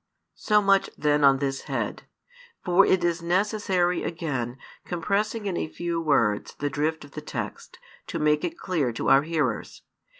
So much then on this head: for it is necessary again, compressing in a few words the drift of the text, to make it clear to our hearers.